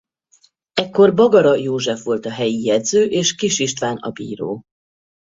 Ekkor Bagara József volt a helyi jegyző és Kiss István a bíró.